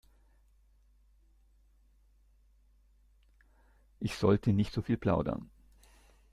Ich sollte nicht so viel plaudern.